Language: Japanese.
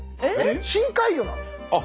深海魚なんです。